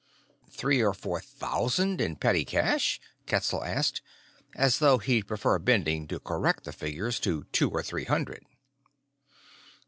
"Three or four thousand in petty cash?" Ketzel asked, as though he'd prefer Bending to correct the figure to "two or three hundred."